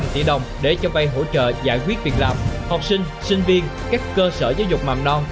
tám bốn trăm linh tỷ đồng để cho vay hỗ trợ giải quyết việc làm học sinh sinh viên các cơ sở giáo dục mạng non